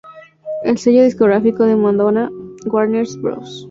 El sello discográfico de Madonna, Warner Bros.